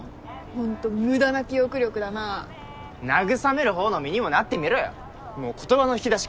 ホントムダな記憶力だな慰める方の身にもなってみろよもう言葉の引き出し